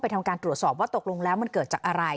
ทำการตรวจสอบว่าตกลงแล้วมันเกิดจากอะไร